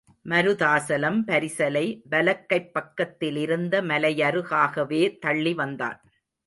மருதாசலம் பரிசலை வலக்கைப் பக்கத்திலிருந்த மலையருகாகவே தள்ளி வந்தான்.